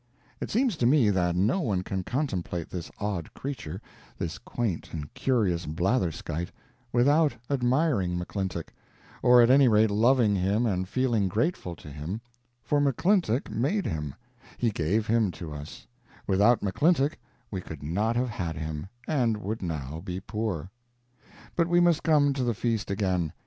It seems to me that no one can contemplate this odd creature, this quaint and curious blatherskite, without admiring McClintock, or, at any rate, loving him and feeling grateful to him; for McClintock made him, he gave him to us; without McClintock we could not have had him, and would now be poor. But we must come to the feast again.